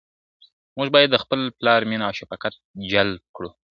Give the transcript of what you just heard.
موږ بايد د خپل پلار مينه او شفقت جلب کړو.